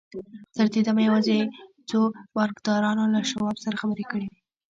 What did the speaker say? تر دې دمه یوازې څو بانکدارانو له شواب سره خبرې کړې وې